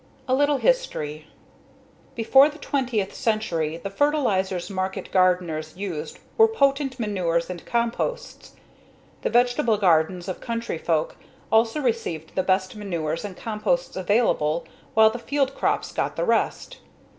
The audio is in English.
A Little History Before the twentieth century, the fertilizers market gardeners used were potent manures and composts. The vegetable gardens of country folk also received the best manures and composts available while the field crops got the rest.